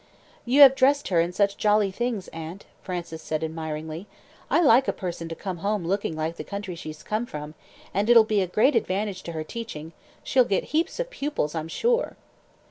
"You have dressed her in such jolly things, aunt," Frances said admiringly. "I like a person to come home looking like the country she's come from, and it'll be a great advantage to her teaching she'll get heaps of pupils, I'm sure."